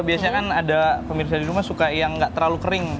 biasanya kan ada pemirsa di rumah suka yang gak terlalu kering